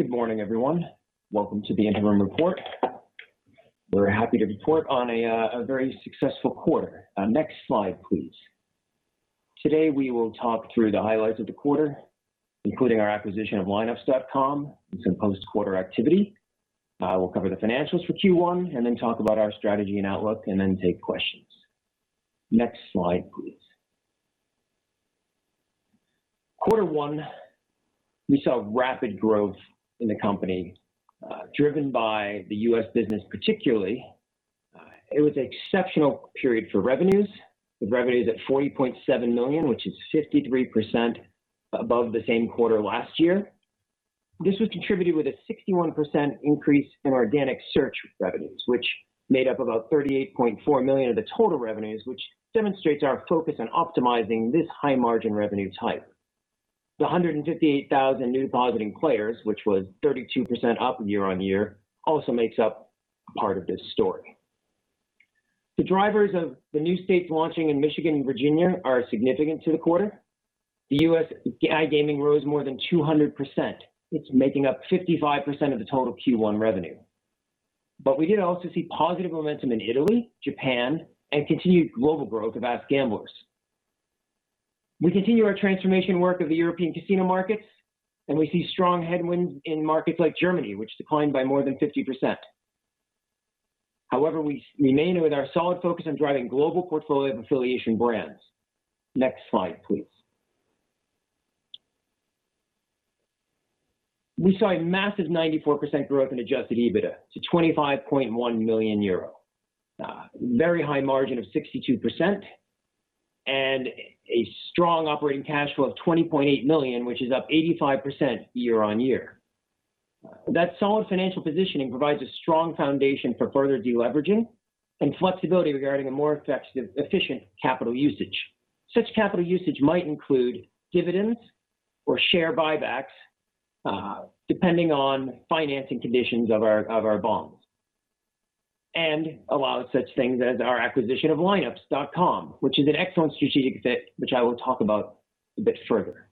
Good morning, everyone. Welcome to the interim report. We're happy to report on a very successful quarter. Next slide, please. Today, we will talk through the highlights of the quarter, including our acquisition of lineups.com and some post-quarter activity. I will cover the financials for Q1, and then talk about our strategy and outlook, and then take questions. Next slide, please. Quarter one, we saw rapid growth in the company, driven by the U.S. business particularly. It was an exceptional period for revenues. The revenues at 40.7 million, which is 53% above the same quarter last year. This was contributed with a 61% increase in organic search revenues, which made up about 38.4 million of the total revenues, which demonstrates our focus on optimizing this high margin revenue type. The 158,000 new depositing players, which was 32% up year-on-year, also makes up part of this story. The drivers of the new states launching in Michigan and Virginia are significant to the quarter. The U.S. iGaming rose more than 200%. It's making up 55% of the total Q1 revenue. We did also see positive momentum in Italy, Japan, and continued global growth of AskGamblers. We continue our transformation work of the European casino markets, and we see strong headwinds in markets like Germany, which declined by more than 50%. However, we remain with our solid focus on driving global portfolio of affiliation brands. Next slide, please. We saw a massive 94% growth in adjusted EBITDA to 25.1 million euro. Very high margin of 62% and a strong operating cash flow of 20.8 million, which is up 85% year-on-year. That solid financial positioning provides a strong foundation for further de-leveraging and flexibility regarding a more effective, efficient capital usage. Such capital usage might include dividends or share buybacks, depending on financing conditions of our bonds. Allow such things as our acquisition of lineups.com, which is an excellent strategic fit, which I will talk about a bit further.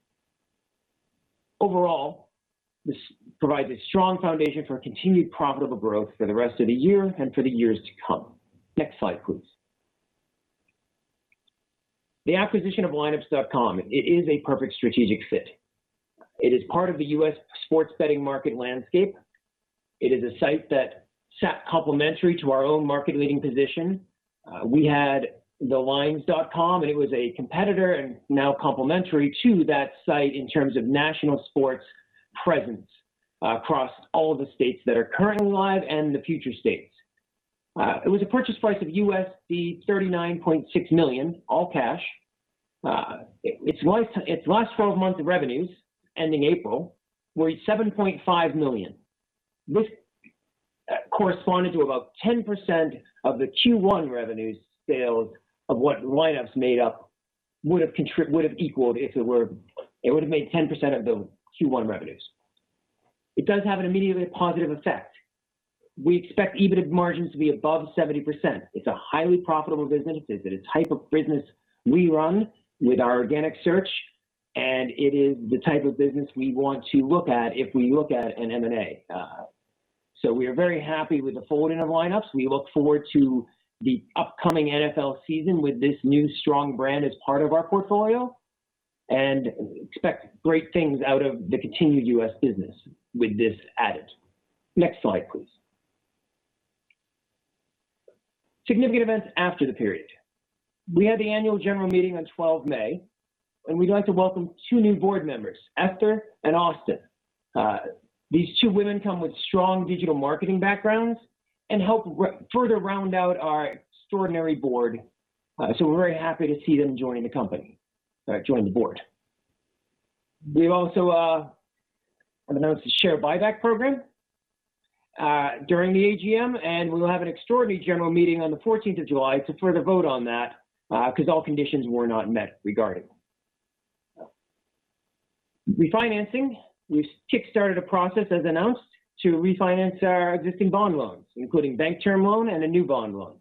Overall, this provides a strong foundation for continued profitable growth for the rest of the year and for the years to come. Next slide, please. The acquisition of lineups.com, it is a perfect strategic fit. It is part of the U.S. sports betting market landscape. It is a site that sat complementary to our own market-leading position. We had Thelines.com. It was a competitor and now complementary to that site in terms of national sports presence across all the states that are currently live and the future states. It was a purchase price of $39.6 million, all cash. Its last 12 months of revenues, ending April, were 7.5 million. This corresponded to about 10% of the Q1 revenues sales of what Lineups made up would've equaled. It would've made 10% of the Q1 revenues. It does have an immediately positive effect. We expect EBIT margins to be above 70%. It's a highly profitable business. It is a type of business we run with our organic search. It is the type of business we want to look at if we look at an M&A. We are very happy with the folding of Lineups. We look forward to the upcoming NFL season with this new strong brand as part of our portfolio. Expect great things out of the continued U.S. business with this added. Next slide, please. Significant events after the period. We had the annual general meeting on 12 May. We'd like to welcome two new board members, Esther and Austin. These two women come with strong digital marketing backgrounds and help further round out our extraordinary board. We're very happy to see them join the company, join the board. We also have announced a share buyback program during the AGM. We'll have an extraordinary general meeting on the 14th of July to further vote on that because all conditions were not met regarding refinancing. We've kickstarted a process as announced to refinance our existing bond loans, including bank term loan and a new bond loan.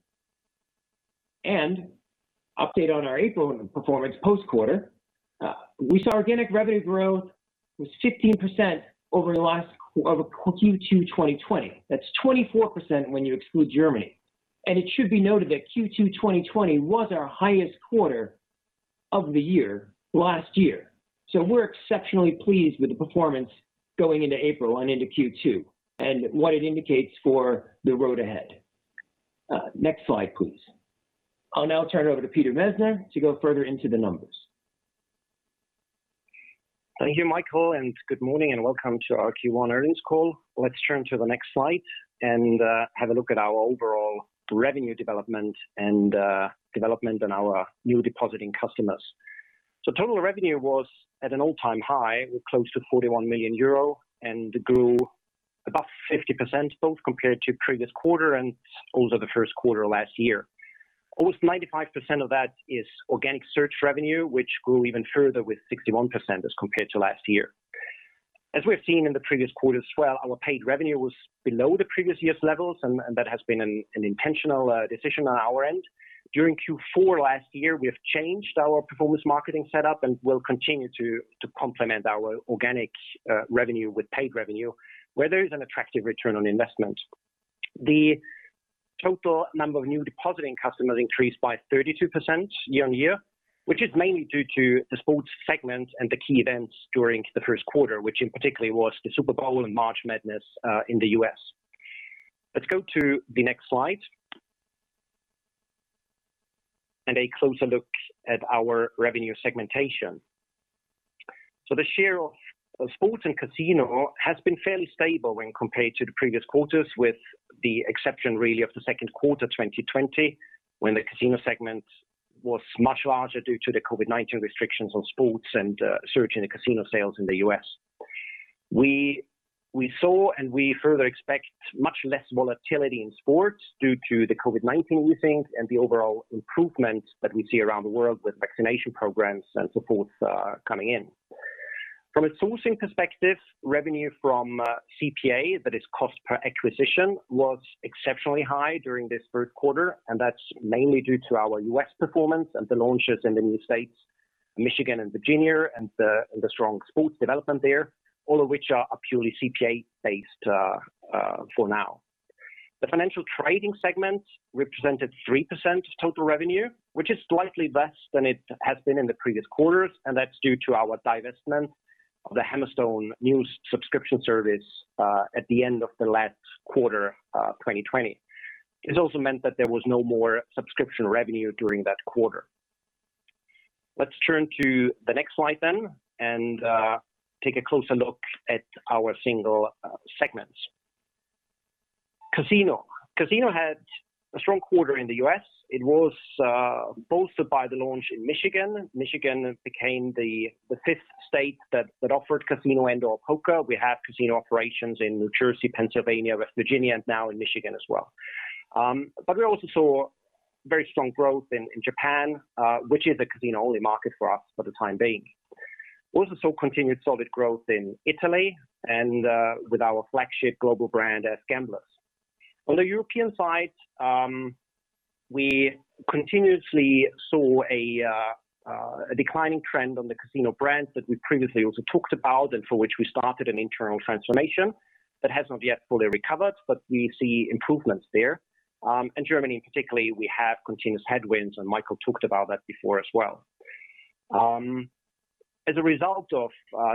Update on our April performance post-quarter. We saw organic revenue growth was 15% over the last Q2 2020. That's 24% when you exclude Germany. It should be noted that Q2 2020 was our highest quarter of the year last year. We're exceptionally pleased with the performance going into April and into Q2 and what it indicates for the road ahead. Next slide, please. I'll now turn it over to Peter Messner to go further into the numbers. Thank you, Michael, and good morning and welcome to our Q1 earnings call. Let's turn to the next slide and have a look at our overall revenue development and development in our new depositing customers. Total revenue was at an all-time high, close to 41 million euro, and grew above 50% both compared to previous quarter and over the first quarter last year. Almost 95% of that is organic search revenue, which grew even further with 61% as compared to last year. As we've seen in the previous quarters as well, our paid revenue was below the previous year's levels, and that has been an intentional decision on our end. During Q4 last year, we have changed our performance marketing setup, and we'll continue to complement our organic revenue with paid revenue where there is an attractive return on investment. The total number of new depositing customers increased by 32% year-on-year, which is mainly due to the sports segment and the key events during the first quarter, which in particular was the Super Bowl and March Madness in the U.S. Let's go to the next slide, and a closer look at our revenue segmentation. The share of sports and casino has been fairly stable when compared to the previous quarters, with the exception really of the second quarter 2020, when the casino segment was much larger due to the COVID-19 restrictions on sports and a surge in the casino sales in the U.S. We saw, and we further expect much less volatility in sports due to the COVID-19 easing and the overall improvement that we see around the world with vaccination programs and so forth coming in. From a sourcing perspective, revenue from CPA, that is cost per acquisition, was exceptionally high during this first quarter, and that's mainly due to our U.S. performance and the launches in the new states, Michigan and Virginia, and the strong sports development there, all of which are purely CPA based for now. The financial trading segment represented 3% of total revenue, which is slightly less than it has been in the previous quarters, and that's due to our divestment of the Hammerstone news subscription service at the end of the last quarter of 2020. This also meant that there was no more subscription revenue during that quarter. Let's turn to the next slide then, and take a closer look at our single segments. Casino. Casino had a strong quarter in the U.S. It was bolstered by the launch in Michigan. Michigan became the fifth state that offered casino and/or poker. We have casino operations in New Jersey, Pennsylvania, West Virginia, and now in Michigan as well. We also saw very strong growth in Japan, which is a casino-only market for us for the time being. We also saw continued solid growth in Italy and with our flagship global brand, AskGamblers. On the European side, we continuously saw a declining trend on the casino brands that we previously also talked about and for which we started an internal transformation that has not yet fully recovered, but we see improvements there. In Germany in particular, we have continuous headwinds, and Michael talked about that before as well. As a result of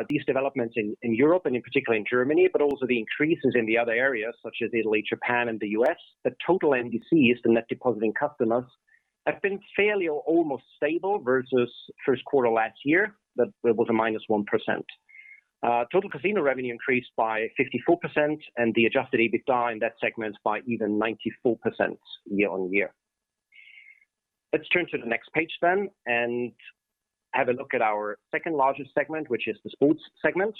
these developments in Europe, and in particular in Germany, but also the increases in the other areas such as Italy, Japan, and the U.S., the total NDCs, the net depositing customers, have been fairly or almost stable versus first quarter last year. That was a -1%. Total casino revenue increased by 54%, and the adjusted EBITDA in that segment by even 94% year-on-year. Let's turn to the next page then and have a look at our second-largest segment, which is the sports segment.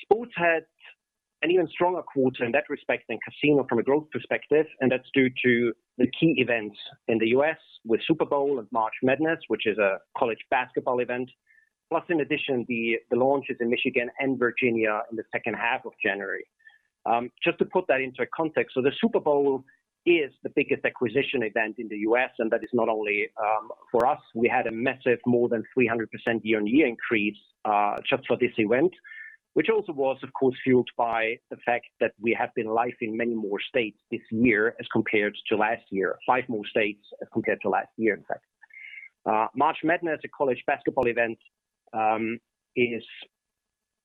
Sports had an even stronger quarter in that respect than casino from a growth perspective, and that's due to the key events in the U.S. with Super Bowl and March Madness, which is a college basketball event. Plus, in addition, the launches in Michigan and Virginia in the second half of January. To put that into a context, the Super Bowl is the biggest acquisition event in the U.S., that is not only for us. We had a massive more than 300% year-on-year increase just for this event, which also was, of course, fueled by the fact that we have been live in many more states this year as compared to last year. Five more states as compared to last year, in fact. March Madness, a college basketball event, is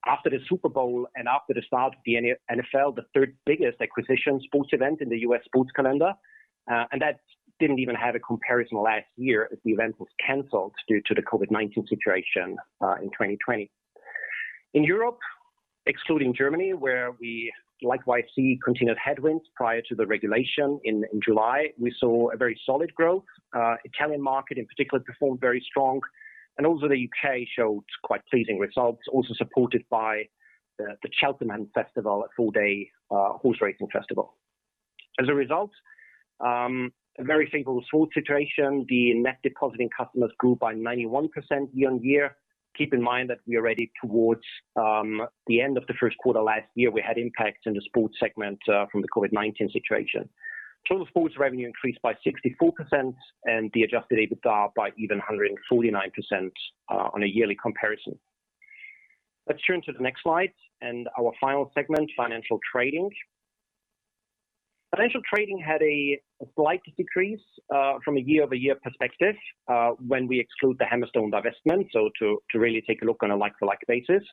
after the Super Bowl and after the start of the NFL, the third-biggest acquisition sports event in the U.S. sports calendar. That didn't even have a comparison last year as the event was canceled due to the COVID-19 situation in 2020. In Europe, excluding Germany, where we likewise see continued headwinds prior to the regulation in July, we saw a very solid growth. Italian market in particular performed very strong, and also the U.K. showed quite pleasing results, also supported by the Cheltenham Festival, a four-day horse racing festival. As a result, a very stable sports situation. The net depositing customers grew by 91% year-on-year. Keep in mind that we are already towards the end of the first quarter. Last year, we had impacts in the sports segment from the COVID-19 situation. Total sports revenue increased by 64% and the adjusted EBITDA by even 149% on a yearly comparison. Let's turn to the next slide and our final segment, financial trading. Financial trading had a slight decrease from a year-over-year perspective when we exclude the Hammerstone divestment, to really take a look on a like-for-like basis,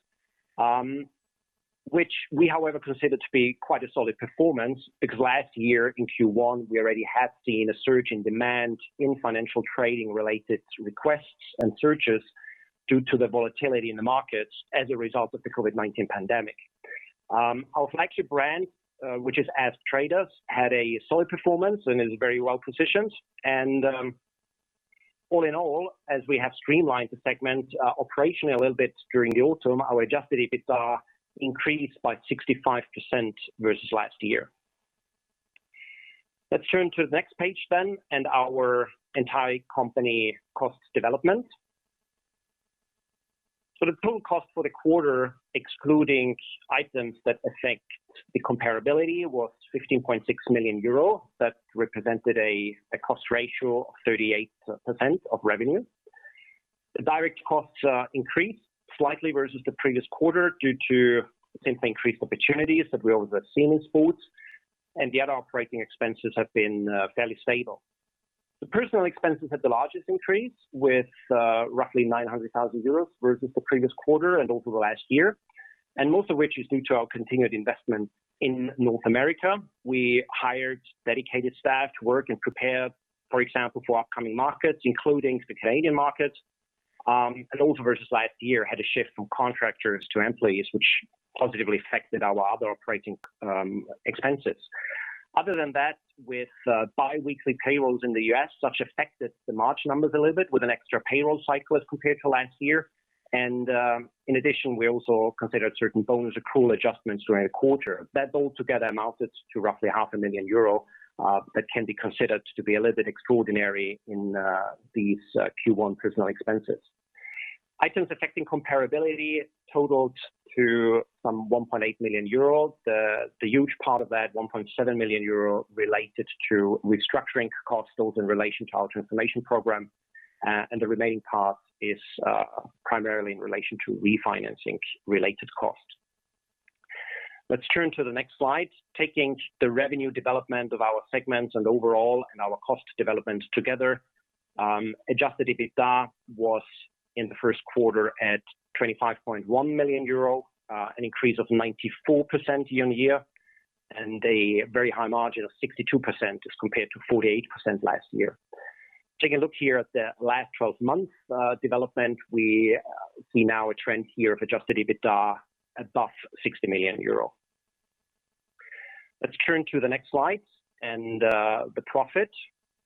which we however consider to be quite a solid performance because last year in Q1, we already had seen a surge in demand in financial trading related to requests and searches due to the volatility in the markets as a result of the COVID-19 pandemic. Our flagship brand, which is AskTraders, had a solid performance and is very well positioned. All in all, as we have streamlined the segment operationally a little bit during the autumn, our adjusted EBITDA increased by 65% versus last year. Let's turn to the next page then and our entire company cost development. The total cost for the quarter, excluding items that affect the comparability, was 15.6 million euro. That represented a cost ratio of 38% of revenue. The direct costs are increased slightly versus the previous quarter due to the same increased opportunities that we also have seen in sports, and the other operating expenses have been fairly stable. The personnel expenses had the largest increase, with roughly 900,000 euros versus the previous quarter and over the last year, and most of which is due to our continued investment in North America. We hired dedicated staff to work and prepare, for example, for upcoming markets, including the Canadian market. Also versus last year had a shift from contractors to employees, which positively affected our other operating expenses. Other than that, with biweekly payrolls in the U.S., which affected the March numbers a little bit with an extra payroll cycle as compared to last year. In addition, we also considered certain bonus accrual adjustments during the quarter. That altogether amounted to roughly 500,000 euro that can be considered to be a little bit extraordinary in these Q1 personnel expenses. Items affecting comparability totaled to some 1.8 million euros. The huge part of that, 1.7 million euro, related to restructuring costs built in relation to our transformation program, and the remaining part is primarily in relation to refinancing-related costs. Let's turn to the next slide. Taking the revenue development of our segments and overall and our cost development together, adjusted EBITDA was, in the first quarter, at 25.1 million euro, an increase of 94% year-on-year, and a very high margin of 62% as compared to 48% last year. Taking a look here at the last 12 months development, we see now a trend here of adjusted EBITDA above 60 million euro. Let's turn to the next slide and the profit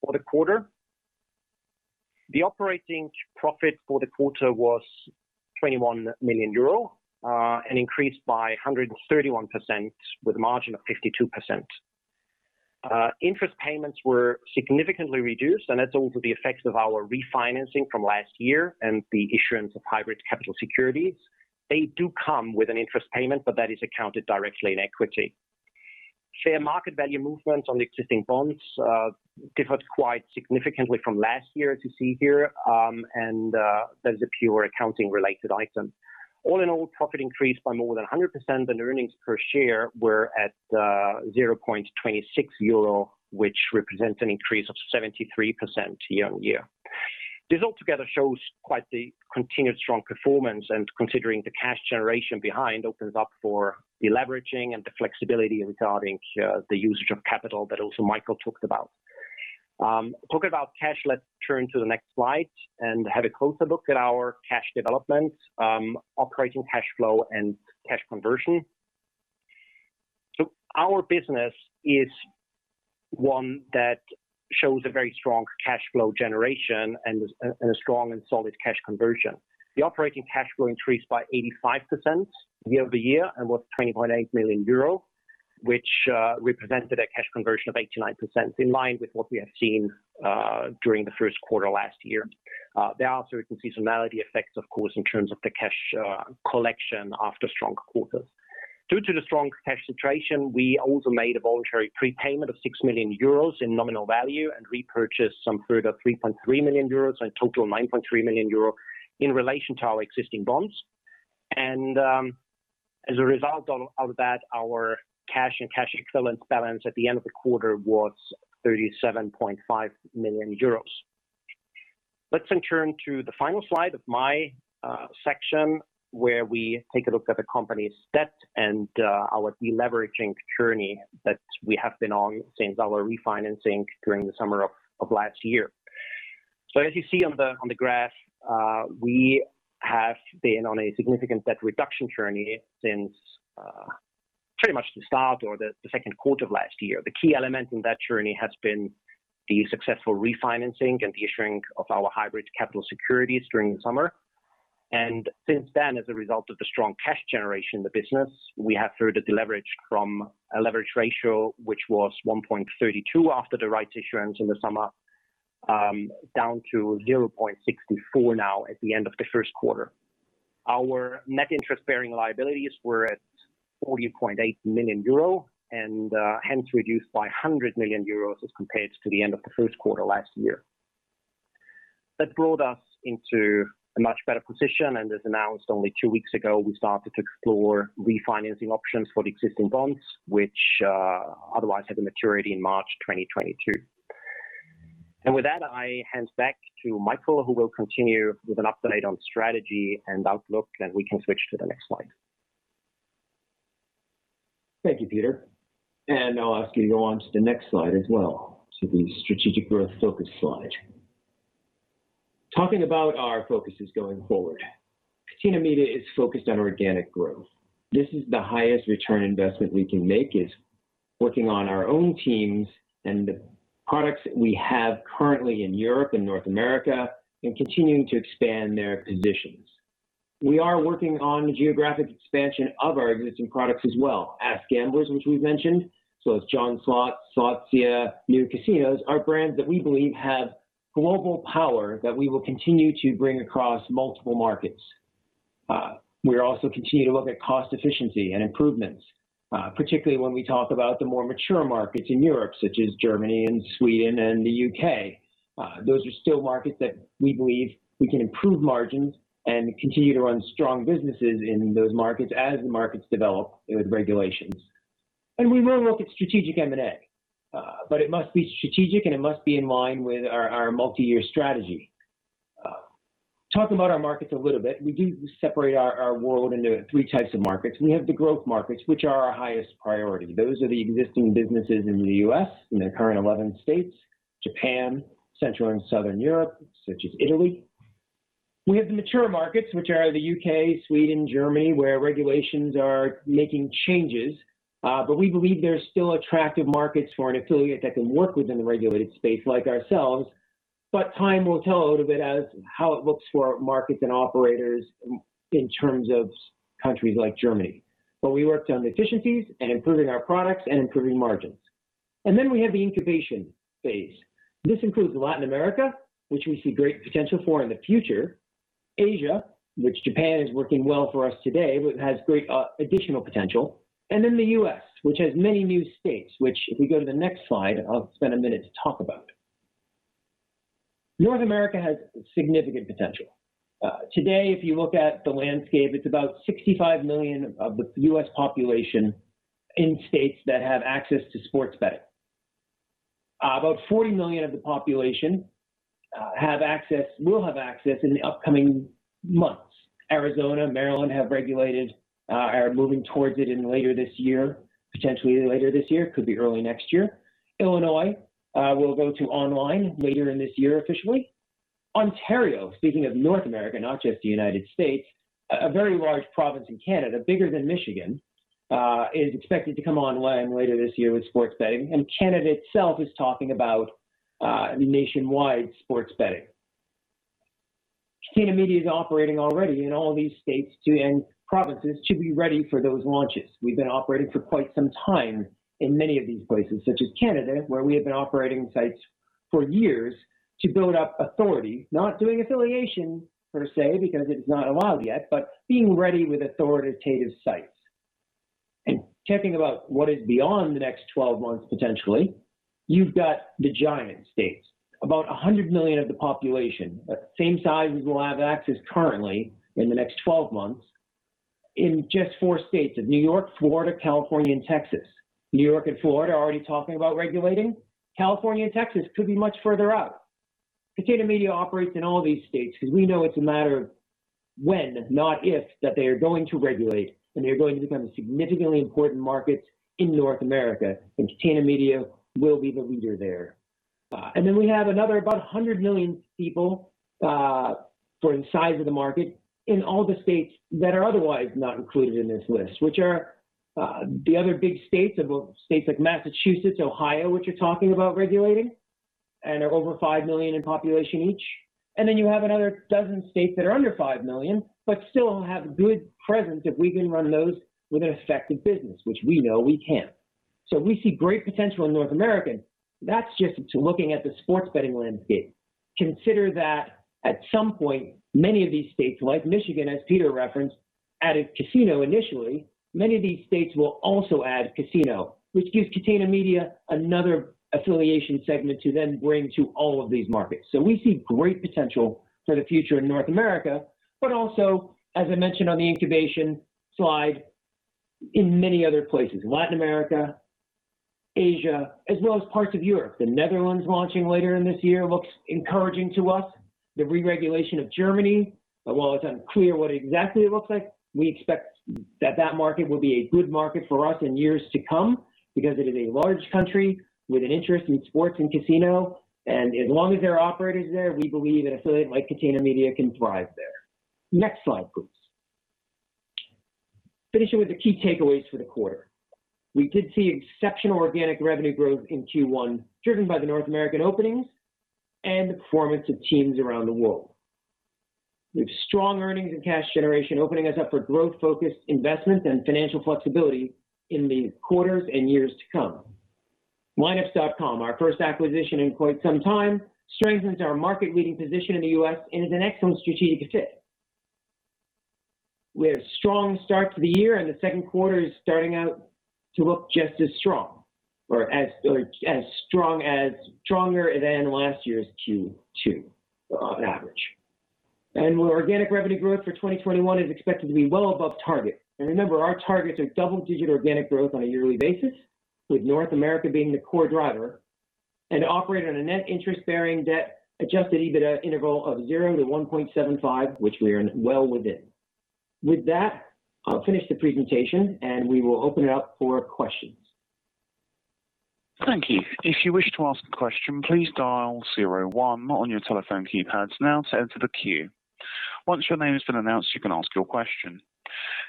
for the quarter. The operating profit for the quarter was 21 million euro, an increase by 131% with a margin of 52%. Interest payments were significantly reduced. That's also the effect of our refinancing from last year and the issuance of hybrid capital securities. They do come with an interest payment. That is accounted directly in equity. Share market value movements on existing bonds differed quite significantly from last year as you see here. That's a pure accounting-related item. All in all, profit increased by more than 100%. Earnings per share were at 0.26 euro, which represents an increase of 73% year-on-year. This altogether shows quite the continued strong performance. Considering the cash generation behind opens up for deleveraging and the flexibility regarding the usage of capital that also Michael talked about. Talking about cash, let's turn to the next slide and have a closer look at our cash development, operating cash flow, and cash conversion. Our business is one that shows a very strong cash flow generation and a strong and solid cash conversion. The operating cash flow increased by 85% year-over-year and was 20.8 million euro, which represented a cash conversion of 89%, in line with what we have seen during the first quarter last year. There also you can see some vanity effects, of course, in terms of the cash collection after strong quarters. Due to the strong cash situation, we also made a voluntary prepayment of 6 million euros in nominal value and repurchased some further 3.3 million euros, so in total 9.3 million euros in relation to our existing bonds. As a result of that, our cash and cash equivalents balance at the end of the quarter was 37.5 million euros. Let's turn to the final slide of my section, where we take a look at the company's debt and our deleveraging journey that we have been on since our refinancing during the summer of last year. As you see on the graph, we have been on a significant debt reduction journey since pretty much the start or the second quarter of last year. The key element in that journey has been the successful refinancing and the issuing of our hybrid capital securities during the summer. Since then, as a result of the strong cash generation in the business, we have further deleveraged from a leverage ratio, which was 1.32 after the rights issuance in the summer, down to 0.64 now at the end of the first quarter. Our net interest-bearing liabilities were at 40.8 million euro and hence reduced by 100 million euros as compared to the end of the first quarter last year. That brought us into a much better position, as announced only two weeks ago, we started to explore refinancing options for existing bonds, which otherwise had maturity in March 2022. With that, I hand back to Michael, who will continue with an update on strategy and outlook, and we can switch to the next slide. Thank you, Peter. I'll ask you to go on to the next slide as well, to the strategic growth focus slide. Talking about our focuses going forward. Catena Media is focused on organic growth. This is the highest return investment we can make is working on our own teams and the products that we have currently in Europe and North America and continuing to expand their positions. We are working on geographic expansion of our existing products as well. AskGamblers, which we mentioned, so it's JohnSlots, Slotsia, LeoVegas, are brands that we believe have global power that we will continue to bring across multiple markets. We also continue to look at cost efficiency and improvements, particularly when we talk about the more mature markets in Europe, such as Germany and Sweden and the U.K. Those are still markets that we believe we can improve margins and continue to run strong businesses in those markets as the markets develop with regulations. We will look at strategic M&A, but it must be strategic, and it must be in line with our multi-year strategy. Talk about our markets a little bit. We do separate our world into three types of markets. We have the growth markets, which are our highest priority. Those are the existing businesses in the U.S. in their current 11 states, Japan, Central and Southern Europe, such as Italy. We have the mature markets, which are the U.K., Sweden, Germany, where regulations are making changes. We believe they're still attractive markets for an affiliate that can work within the regulated space like ourselves, time will tell a little bit as how it looks for markets and operators in terms of countries like Germany. We worked on the efficiencies and improving our products and improving margins. We have the incubation phase. This includes Latin America, which we see great potential for in the future, Asia, which Japan is working well for us today, but has great additional potential. The U.S., which has many new states, which if we go to the next slide, I'll spend a minute to talk about. North America has significant potential. Today, if you look at the landscape, it's about 65 million of the U.S. population in states that have access to sports betting. About 40 million of the population will have access in the upcoming months. Arizona, Maryland have regulated, are moving towards it in later this year, potentially later this year, could be early next year. Illinois will go to online later in this year officially. Ontario, speaking of North America, not just the United States, a very large province in Canada, bigger than Michigan, is expected to come online later this year with sports betting. Canada itself is talking about nationwide sports betting. Catena Media is operating already in all these states and provinces to be ready for those launches. We've been operating for quite some time in many of these places, such as Canada, where we have been operating sites for years to build up authority, not doing affiliation per se, because it's not allowed yet, but being ready with authoritative sites. Checking about what is beyond the next 12 months potentially, you've got the giant states. About 100 million of the population, same size as will have access currently in the next 12 months in just four states of New York, Florida, California, and Texas. New York and Florida are already talking about regulating. California and Texas could be much further out. Catena Media operates in all these states because we know it's a matter of when, not if, that they are going to regulate, and they're going to become significantly important markets in North America, and Catena Media will be the leader there. We have another, about 100 million people, for in size of the market, in all the states that are otherwise not included in this list, which are the other big states of states like Massachusetts, Ohio, which are talking about regulating and are over five million in population each. You have another dozen states that are under five million, but still have good presence if we can run those with an effective business, which we know we can. We see great potential in North America. That's just to looking at the sports betting landscape. Consider that at some point, many of these states, like Michigan, as Peter referenced, added casino initially. Many of these states will also add casino, which gives Catena Media another affiliation segment to then bring to all of these markets. We see great potential for the future in North America, but also, as I mentioned on the incubation slide, in many other places, Latin America, Asia, as well as parts of Europe. The Netherlands launching later in this year looks encouraging to us. The re-regulation of Germany, while it's unclear what exactly it looks like, we expect that that market will be a good market for us in years to come because it is a large country with an interest in sports and casino, and as long as there are operators there, we believe an affiliate like Catena Media can thrive there. Next slide, please. Finishing with the key takeaways for the quarter. We did see exceptional organic revenue growth in Q1 driven by the North American openings and the performance of teams around the world. We have strong earnings and cash generation opening us up for growth-focused investments and financial flexibility in the quarters and years to come. Lineups.com, our first acquisition in quite some time, strengthens our market-leading position in the U.S. and is an excellent strategic fit. We had a strong start to the year, the second quarter is starting out to look just as strong or stronger than last year's Q2 on average. Organic revenue growth for 2021 is expected to be well above target. Remember, our targets are double-digit organic growth on a yearly basis, with North America being the core driver, and operate on a net interest-bearing debt adjusted EBITDA interval of 0-1.75, which we are well within. With that, I'll finish the presentation, and we will open it up for questions. Thank you. If you wish to ask a question, please dial zero one on your telephone keypads now to enter the queue. Once your name has been announced, you can ask your question.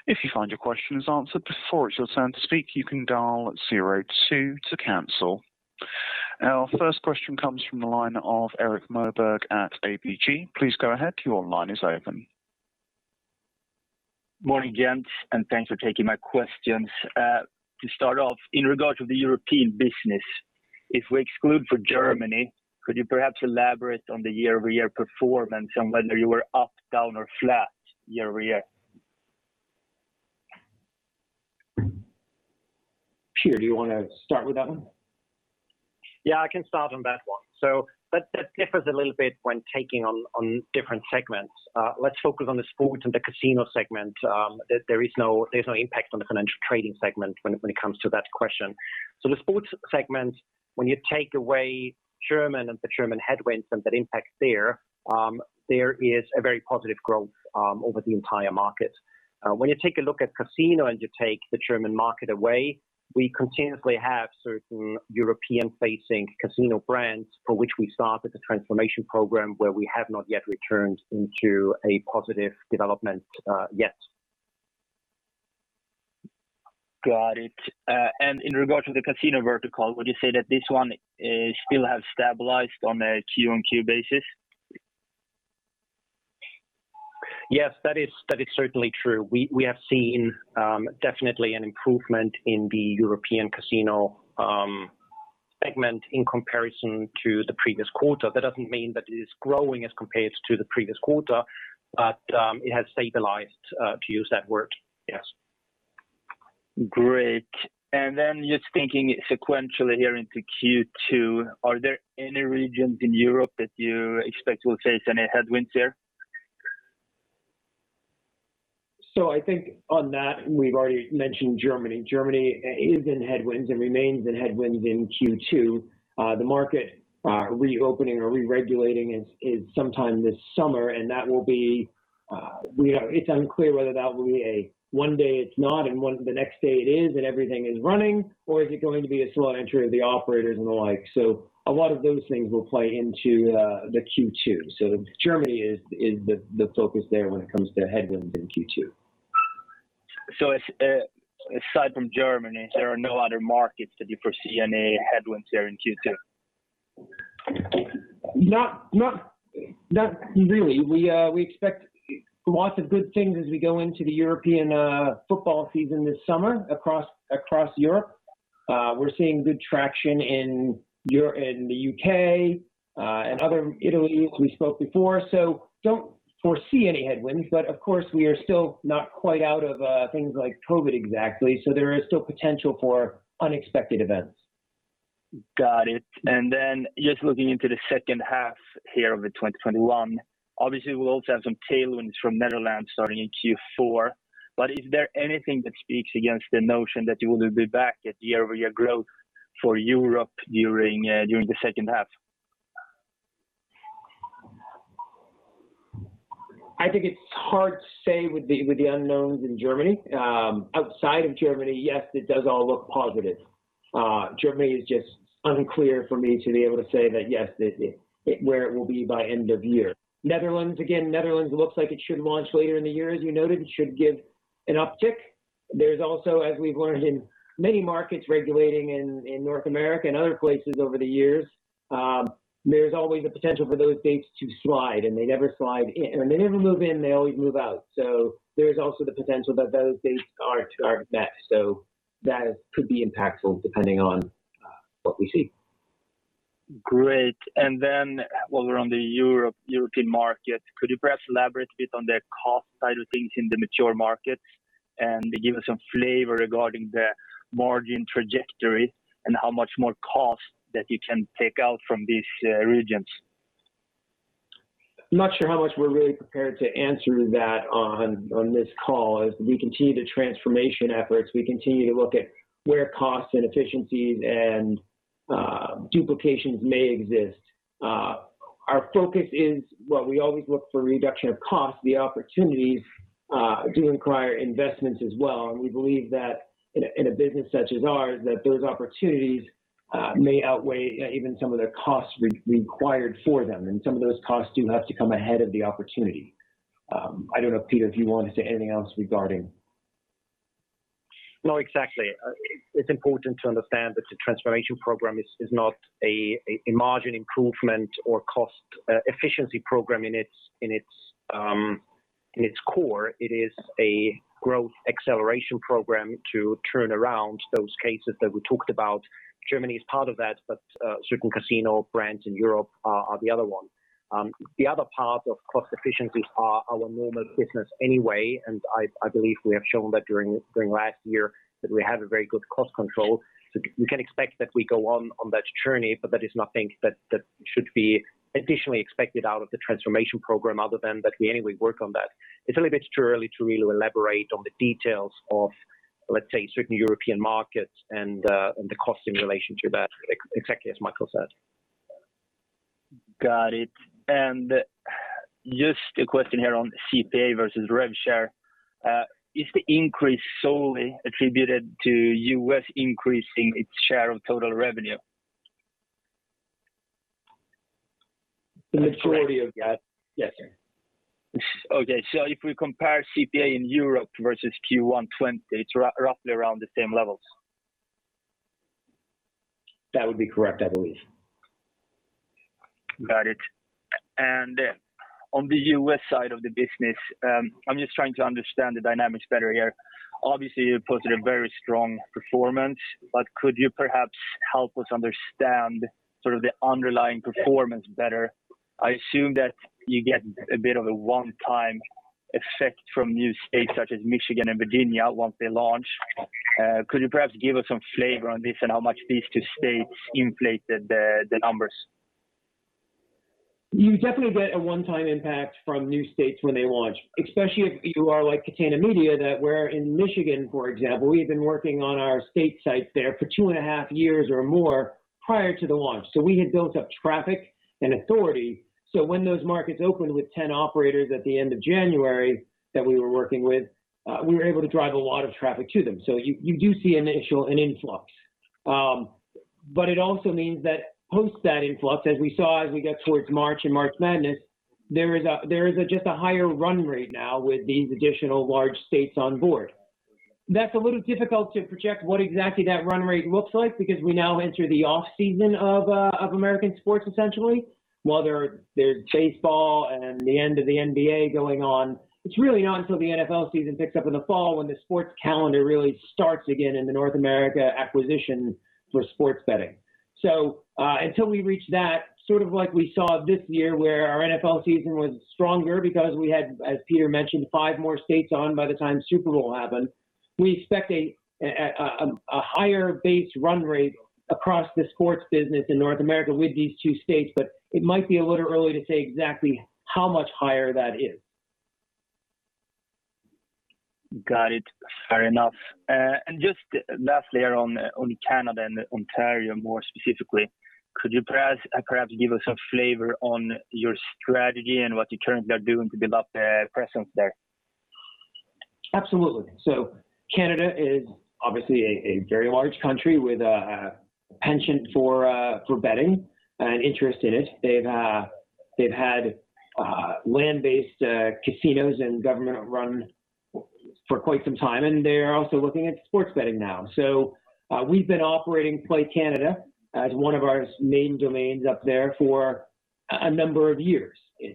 If you find your question is answered before it's your turn to speak, you can dial zero two to cancel. Our first question comes from the line of Erik Moberg at ABG. Please go ahead, your line is open. Morning, gents, and thanks for taking my questions. To start off, in regard to the European business. If we exclude for Germany, could you perhaps elaborate on the year-over-year performance on whether you were up, down or flat year-over-year? Peter, do you want to start with that one? Yeah, I can start on that one. That differs a little bit when taking on different segments. Let's focus on the sports and the casino segment. There's no impact on the financial trading segment when it comes to that question. The sports segment, when you take away German and the German headwinds and that impact there is a very positive growth over the entire market. When you take a look at casino and you take the German market away, we continuously have certain European-facing casino brands for which we started the transformation program, where we have not yet returned into a positive development yet. Got it. In regard to the casino vertical, would you say that this one still has stabilized on a Q on Q basis? Yes, that is certainly true. We have seen definitely an improvement in the European casino segment in comparison to the previous quarter. That doesn't mean that it is growing as compared to the previous quarter, but it has stabilized, to use that word. Yes. Great. Just thinking sequentially here into Q2, are there any regions in Europe that you expect will face any headwinds here? I think on that, we've already mentioned Germany. Germany is in headwinds and remains in headwinds in Q2. The market reopening or reregulating is sometime this summer, and it's unclear whether that will be a one day it's not and the next day it is, and everything is running, or is it going to be a slow entry of the operators and the like. A lot of those things will play into the Q2. Germany is the focus there when it comes to headwinds in Q2. Aside from Germany, there are no other markets that you foresee any headwinds there in Q2? Not really. We expect lots of good things as we go into the European football season this summer across Europe. We're seeing good traction in the U.K. and other, Italy, as we spoke before. Don't foresee any headwinds, but of course we are still not quite out of things like COVID-19 exactly. There is still potential for unexpected events. Got it. Just looking into the second half here of 2021, obviously we'll also have some tailwinds from Netherlands starting in Q4. Is there anything that speaks against the notion that you will be back at year-over-year growth for Europe during the second half? I think it's hard to say with the unknowns in Germany. Outside of Germany, yes, it does all look positive. Germany is just unclear for me to be able to say that yes, where it will be by end of year. Netherlands, again, Netherlands looks like it should launch later in the year, as you noted, it should give an uptick. There's also, as we've learned in many markets regulating in North America and other places over the years, there's always a potential for those dates to slide and they never move in, they always move out. There's also the potential that those dates are next. That could be impactful depending on what we see. Great. While we're on the European market, could you perhaps elaborate a bit on the cost side of things in the mature markets and give us some flavor regarding the margin trajectory and how much more cost that you can take out from these regions? I'm not sure how much we're really prepared to answer that on this call. As we continue the transformation efforts, we continue to look at where costs and efficiencies and duplications may exist. Our focus is, well, we always look for reduction of costs. The opportunities do require investments as well, and we believe that in a business such as ours, that those opportunities may outweigh even some of their costs required for them. Some of those costs do have to come ahead of the opportunity. I don't know, Peter, if you want to say anything else regarding. No, exactly. It's important to understand that the transformation program is not a margin improvement or cost efficiency program in its core. It is a growth acceleration program to turn around those cases that we talked about. Germany is part of that, but certain casino brands in Europe are the other one. The other part of cost efficiencies are our normal business anyway, and I believe we have shown that during last year that we have a very good cost control. You can expect that we go on that journey, but that is nothing that should be additionally expected out of the transformation program other than that we anyway work on that. It's a little bit too early to really elaborate on the details of, let's say, certain European markets and the cost in relation to that, exactly as Michael said. Got it. Just a question here on CPA versus rev share. Is the increase solely attributed to U.S. increasing its share of total revenue? The majority of that, yes. If we compare CPA in Europe versus Q1 2020, it is roughly around the same levels? That would be correct, I believe. Got it. On the U.S. side of the business, I'm just trying to understand the dynamics better here. Obviously, you posted a very strong performance, could you perhaps help us understand the underlying performance better? I assume that you get a bit of a one-time effect from new states such as Michigan and Virginia once they launch. Could you perhaps give us some flavor on this and how much these two states inflated the numbers? You definitely get a one-time impact from new states when they launch, especially if you are like Catena Media, that we're in Michigan, for example. We had been working on our state sites there for two and a half years or more prior to the launch. We had built up traffic and authority. When those markets opened with 10 operators at the end of January that we were working with, we were able to drive a lot of traffic to them. You do see an initial influx. It also means that post that influx, as we saw as we got towards March and March Madness, there is just a higher run rate now with these additional large states on board. That's a little difficult to project what exactly that run rate looks like because we now enter the off-season of American sports, essentially. While there's baseball and the end of the NBA going on, it's really not until the NFL season picks up in the fall when the sports calendar really starts again in the North America acquisition for sports betting. Until we reach that, sort of like we saw this year, where our NFL season was stronger because we had, as Peter mentioned, five more states on by the time Super Bowl happened. We expect a higher base run rate across the sports business in North America with these two states, but it might be a little early to say exactly how much higher that is. Got it. Fair enough. Just lastly on Canada and Ontario more specifically, could you perhaps give us a flavor on your strategy and what you currently are doing to build up a presence there? Absolutely. Canada is obviously a very large country with a penchant for betting and interest in it. They've had land-based casinos and government-run for quite some time, and they're also looking at sports betting now. We've been operating PlayCanada as one of our main domains up there for a number of years. There's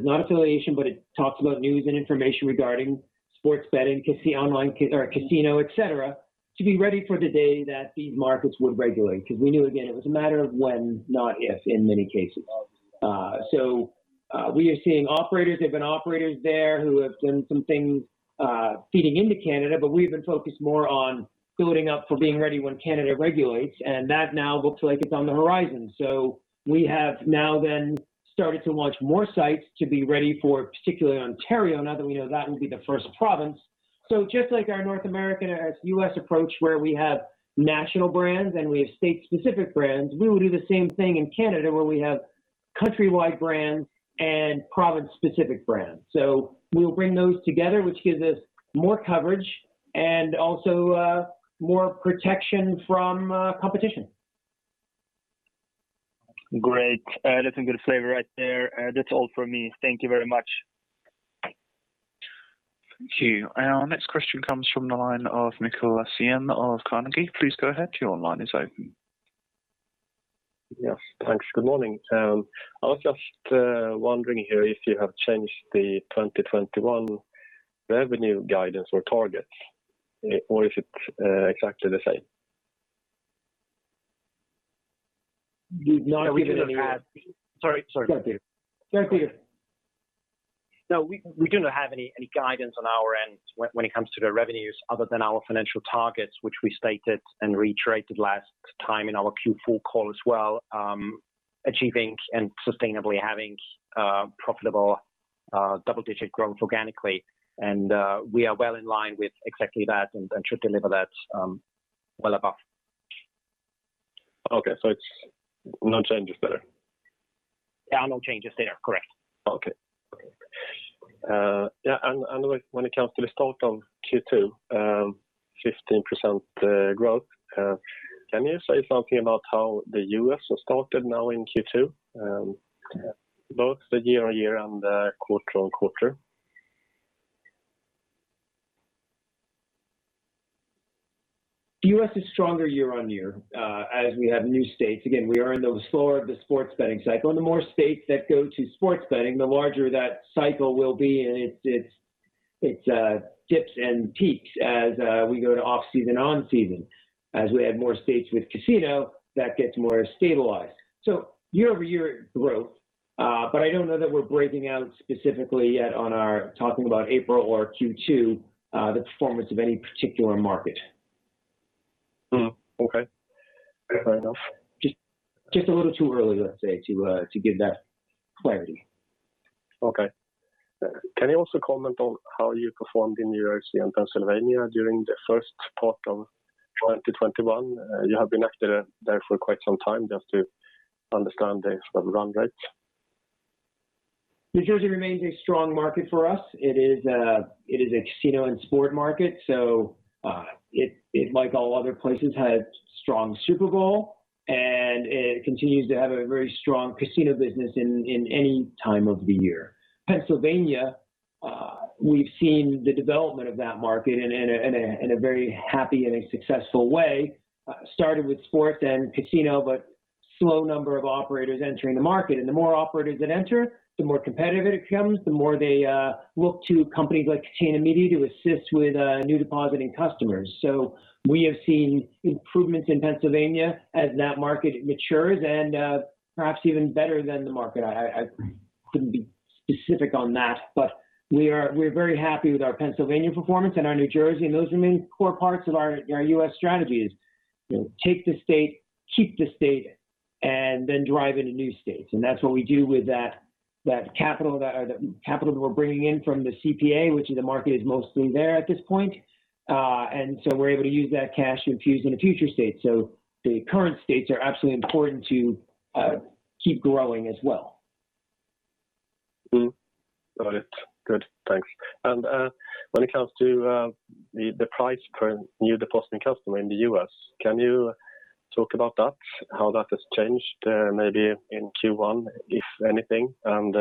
not affiliation, but it talks about news and information regarding sports betting, online casino, et cetera, to be ready for the day that these markets would regulate. Because we knew, again, it was a matter of when, not if, in many cases. We are seeing operators, there have been operators there who have done some things feeding into Canada, but we've been focused more on building up for being ready when Canada regulates, and that now looks like it's on the horizon. We have now started to launch more sites to be ready for particularly Ontario, now that we know that will be the first province. Just like our North America, U.S. approach, where we have national brands and we have state-specific brands, we will do the same thing in Canada, where we have countrywide brands and province-specific brands. We'll bring those together, which gives us more coverage and also more protection from competition. Great. That's a good flavor right there. That's all from me. Thank you very much. Thank you. Our next question comes from the line of Niklas Oderud of Carnegie. Please go ahead. Your line is open. Yes, thanks. Good morning. I was just wondering here if you have changed the 2021 revenue guidance or targets, or is it exactly the same? We've not given. We do not have-Sorry. Go ahead, Peter. Go ahead, Peter. No, we do not have any guidance on our end when it comes to the revenues other than our financial targets, which we stated and reiterated last time in our Q4 call as well, achieving and sustainably having profitable double-digit growth organically, and we are well in line with exactly that and should deliver that well above. Okay. It's no changes there? Yeah, no changes there. Correct. Okay. Yeah, when it comes to the start of Q2, 15% growth, can you say something about how the U.S. has started now in Q2, both the year-on-year and the quarter-on-quarter? U.S. is stronger year-on-year. As we add new states, again, we are in the slower of the sports betting cycle. The more states that go to sports betting, the larger that cycle will be, and its dips and peaks as we go to off-season, on-season. As we add more states with casino, that gets more stabilized. Year-over-year growth, but I don't know that we're breaking out specifically yet on our talking about April or Q2, the performance of any particular market. Okay. Fair enough. Just a little too early, let's say, to give that clarity. Okay. Can you also comment on how you performed in New Jersey and Pennsylvania during the first part of 2021? You have been active there for quite some time, just to understand the run rate. New Jersey remains a strong market for us. It is a casino and sport market, so it, like all other places, had strong Super Bowl, and it continues to have a very strong casino business in any time of the year. Pennsylvania. We've seen the development of that market in a very happy and a successful way. Started with sports and casino, but slow number of operators entering the market. The more operators that enter, the more competitive it becomes, the more they look to companies like Catena Media to assist with new depositing customers. We have seen improvements in Pennsylvania as that market matures and perhaps even better than the market. I couldn't be specific on that, but we're very happy with our Pennsylvania performance and our New Jersey, and those remain core parts of our U.S. strategy is take the state, keep the state, drive into new states. That's what we do with that capital that we're bringing in from the CPA, which the market is mostly there at this point. We're able to use that cash to infuse into future states. The current states are absolutely important to keep growing as well. Got it. Good. Thanks. When it comes to the price per new depositing customer in the U.S., can you talk about that, how that has changed, maybe in Q1, if anything, and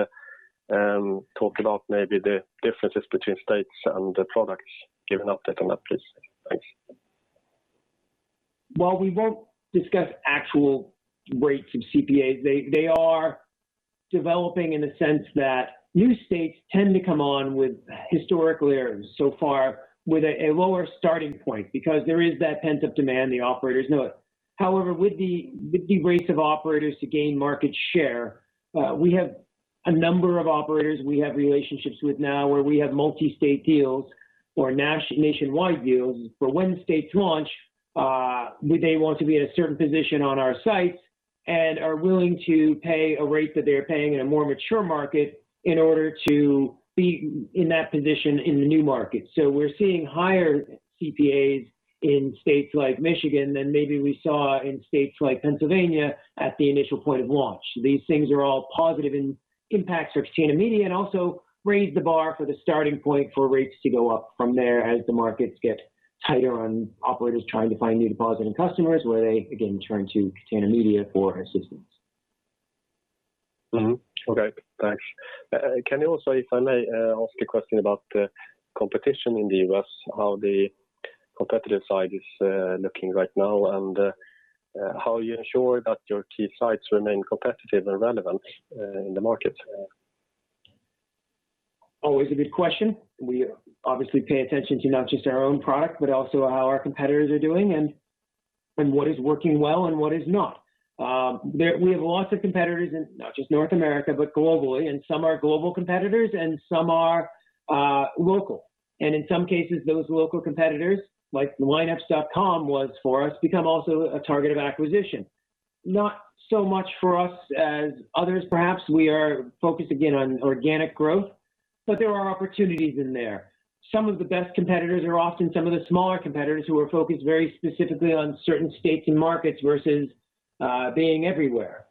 talk about maybe the differences between states and the products given update on that, please. Thanks. While we won't discuss actual rates of CPAs, they are developing in a sense that new states tend to come on with historically or so far with a lower starting point because there is that pent-up demand the operators know it. With the rates of operators to gain market share, we have a number of operators we have relationships with now where we have multi-state deals or nationwide deals. For when states launch, they want to be in a certain position on our sites and are willing to pay a rate that they are paying in a more mature market in order to be in that position in the new market. We're seeing higher CPAs in states like Michigan than maybe we saw in states like Pennsylvania at the initial point of launch. These things are all positive in impacts for Catena Media and also raise the bar for the starting point for rates to go up from there as the markets get tighter on operators trying to find new depositing customers where they, again, turn to Catena Media for assistance. Okay, thanks. Can you also, if I may ask a question about competition in the U.S., how the competitive side is looking right now and how you ensure that your key sites remain competitive and relevant in the market? Always a good question. We obviously pay attention to not just our own product, but also how our competitors are doing and what is working well and what is not. We have lots of competitors in not just North America, but globally, and some are global competitors and some are local. In some cases, those local competitors, like the lineups.com was for us, become also a target of acquisition. Not so much for us as others perhaps. We are focused again on organic growth, but there are opportunities in there. Some of the best competitors are often some of the smaller competitors who are focused very specifically on certain states and markets versus being everywhere.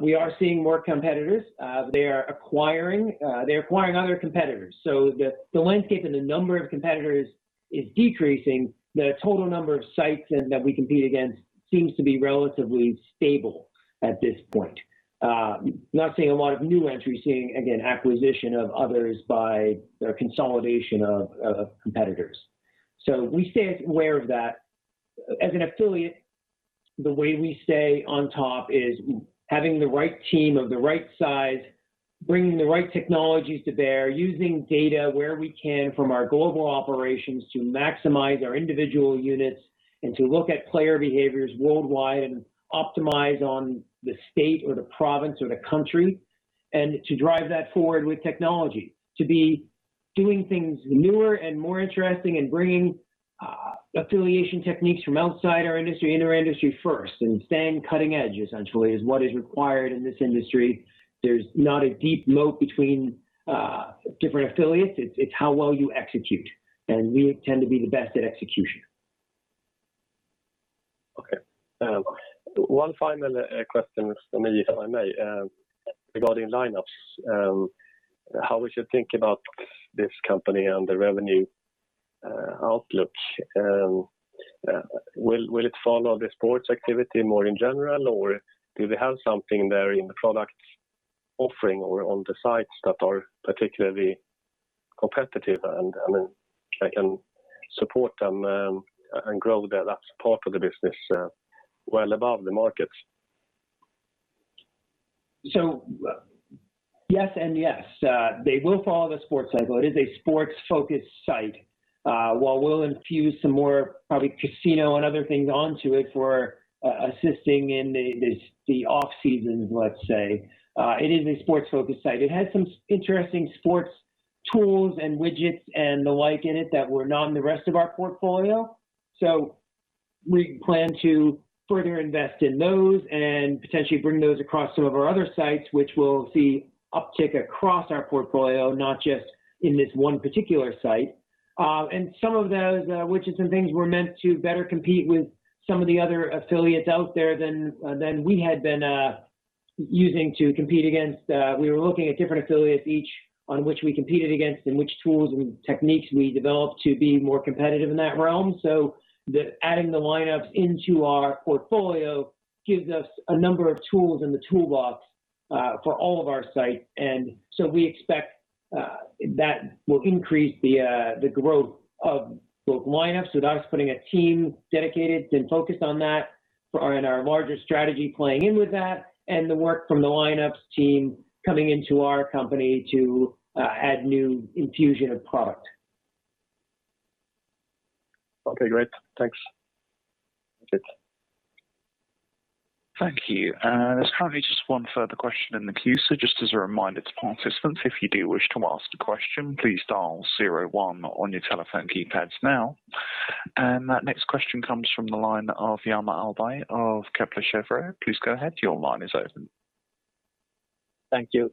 We are seeing more competitors. They are acquiring other competitors. The landscape and the number of competitors is decreasing. The total number of sites that we compete against seems to be relatively stable at this point. Not seeing a lot of new entries, seeing, again, acquisition of others by consolidation of competitors. We stay aware of that. As an affiliate, the way we stay on top is having the right team of the right size, bringing the right technologies to bear, using data where we can from our global operations to maximize our individual units and to look at player behaviors worldwide and optimize on the state or the province or the country, and to drive that forward with technology. To be doing things newer and more interesting and bringing affiliation techniques from outside our industry into our industry first and staying cutting-edge essentially is what is required in this industry. There's not a deep moat between different affiliates. It's how well you execute, and we tend to be the best at execution. Okay. One final question from me, if I may, regarding Lineups. How we should think about this company and the revenue outlook? Will it follow the sports activity more in general, or do they have something there in the product offering or on the sites that are particularly competitive and that can support them and grow that part of the business well above the markets? Yes and yes. They will follow the sports cycle. It is a sports-focused site. While we'll infuse some more probably casino and other things onto it for assisting in the off-seasons, let's say, it is a sports-focused site. It has some interesting sports tools and widgets and the like in it that were not in the rest of our portfolio. We plan to further invest in those and potentially bring those across some of our other sites, which will see uptick across our portfolio, not just in this one particular site. Some of those widgets and things were meant to better compete with some of the other affiliates out there than we had been using to compete against. We were looking at different affiliates each on which we competed against and which tools and techniques we developed to be more competitive in that realm. Adding the Lineups into our portfolio gives us a number of tools in the toolbox. For all of our sites, we expect that will increase the growth of both Lineups without us putting a team dedicated and focused on that, and our larger strategy playing in with that, and the work from the Lineups team coming into our company to add new infusion of product. Okay, great. Thanks. That's it. Thank you. There's currently just one further question in the queue. Just as a reminder to participants, if you do wish to ask a question, please dial zero one on your telephone keypads now. That next question comes from the line of [inaudible] of Kepler Cheuvreux. Please go ahead. Your line is open. Thank you.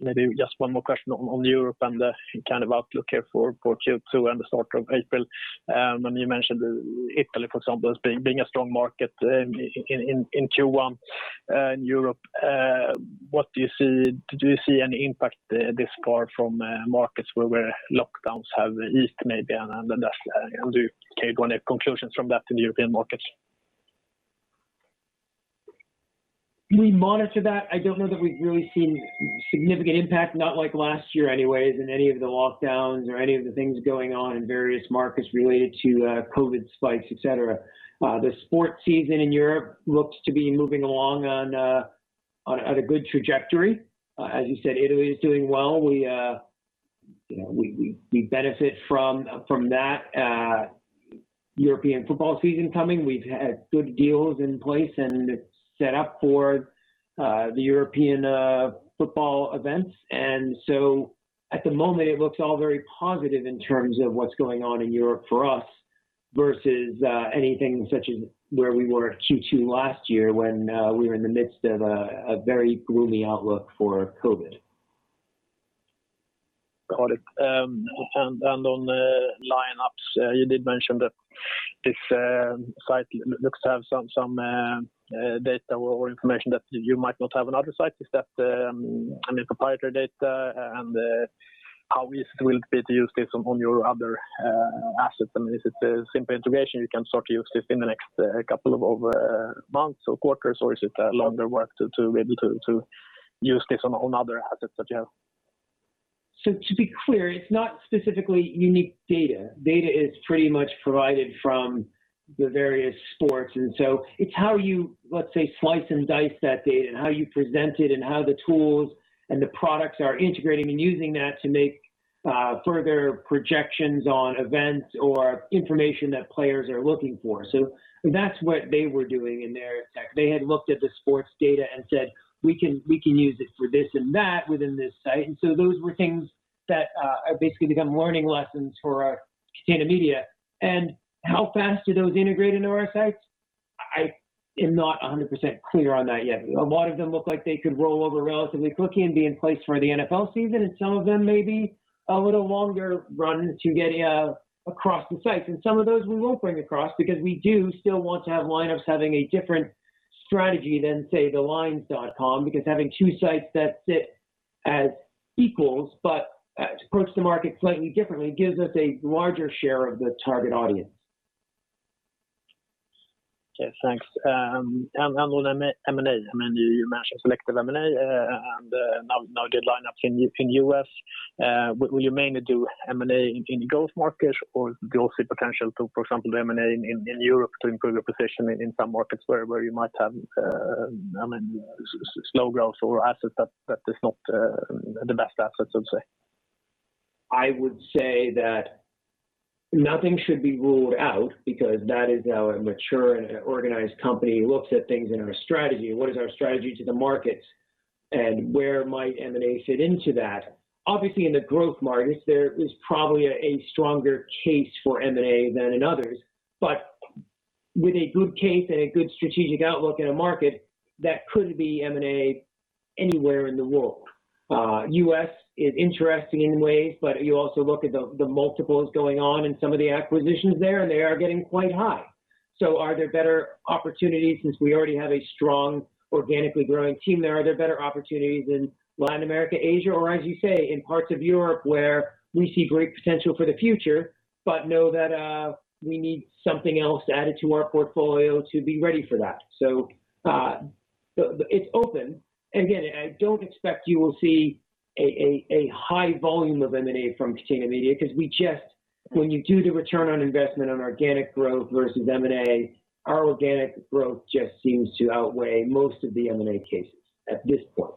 Maybe just one more question on Europe and the kind of outlook here for Q2 and the start of April? You mentioned Italy, for example, as being a strong market in Q1 in Europe. Do you see any impact this far from markets where lockdowns have eased, maybe, and have you carried on any conclusions from that in the European markets? We monitor that. I don't know that we've really seen significant impact, not like last year anyways, in any of the lockdowns or any of the things going on in various markets related to COVID spikes, et cetera. The sports season in Europe looks to be moving along on a good trajectory. As you said, Italy is doing well. We benefit from that European football season coming. We've had good deals in place and it's set up for the European football events. At the moment, it looks all very positive in terms of what's going on in Europe for us versus anything such as where we were Q2 last year when we were in the midst of a very gloomy outlook for COVID. Got it. On the Lineups, you did mention that this site looks to have some data or information that you might not have on other sites. Is that proprietary data, and how easy it will be to use this on your other assets? Is it a simple integration you can sort of use this in the next couple of months or quarters, or is it longer work to be able to use this on other assets that you have? To be clear, it's not specifically unique data. Data is pretty much provided from the various sports. It's how you, let's say, slice and dice that data and how you present it and how the tools and the products are integrating and using that to make further projections on events or information that players are looking for. That's what they were doing in their tech. They had looked at the sports data and said, "We can use it for this and that within this site." Those were things that have basically become learning lessons for Catena Media. How fast do those integrate into our sites? I am not 100% clear on that yet. A lot of them look like they could roll over relatively quickly and be in place for the NFL season. Some of them may be a little longer run to get across the sites. Some of those we will bring across because we do still want to have Lineups having a different strategy than, say, TheLines.com, because having two sites that sit as equals, but approach the market slightly differently, gives us a larger share of the target audience. Okay, thanks. On M&A, you mentioned selective M&A and now did Lineups in U.S. Will you mainly do M&A in growth markets or do you also see potential to, for example, do M&A in Europe to improve your position in some markets where you might have slow growth or assets that is not the best assets, let's say? I would say that nothing should be ruled out because that is how a mature and an organized company looks at things in our strategy. What is our strategy to the market and where might M&A fit into that? Obviously, in the growth markets, there is probably a stronger case for M&A than in others. With a good case and a good strategic outlook in a market, that could be M&A anywhere in the world. U.S. is interesting in ways, but you also look at the multiples going on in some of the acquisitions there, and they are getting quite high. Are there better opportunities since we already have a strong organically growing team there? Are there better opportunities in Latin America, Asia, or as you say, in parts of Europe where we see great potential for the future, but know that we need something else added to our portfolio to be ready for that? It's open. Again, I don't expect you will see a high volume of M&A from Catena Media because when you do the return on investment on organic growth versus M&A, our organic growth just seems to outweigh most of the M&A cases at this point.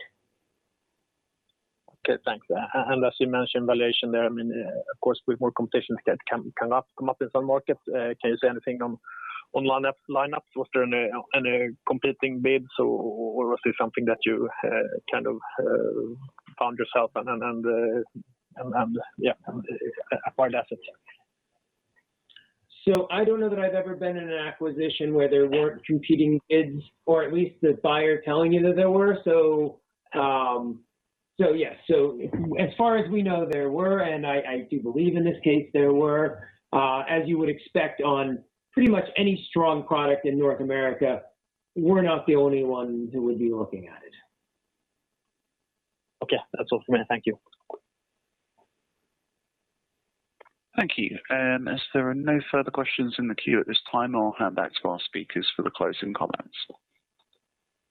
Okay, thanks. As you mentioned valuation there, of course, with more competitions that can come up in some markets, can you say anything on Lineups? Was there any competing bids or was it something that you kind of found yourself and acquired assets? I don't know that I've ever been in an acquisition where there weren't competing bids or at least the buyer telling you that there were. Yes. As far as we know there were, and I do believe in this case there were. As you would expect on pretty much any strong product in North America, we're not the only ones who would be looking at it. Okay. That's all from me. Thank you. Thank you. As there are no further questions in the queue at this time, I'll hand back to our speakers for the closing comments.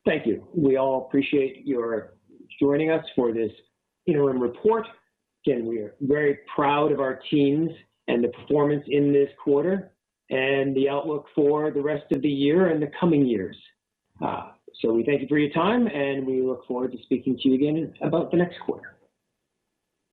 Thank you. We all appreciate your joining us for this interim report. Again, we are very proud of our teams and the performance in this quarter and the outlook for the rest of the year and the coming years. We thank you for your time, and we look forward to speaking to you again about the next quarter.